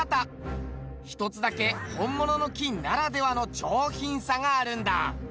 １つだけ本物の金ならではの上品さがあるんだ。